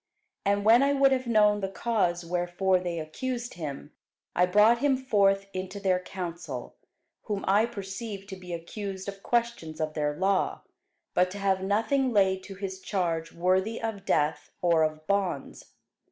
And when I would have known the cause wherefore they accused him, I brought him forth into their council: whom I perceived to be accused of questions of their law, but to have nothing laid to his charge worthy of death or of bonds.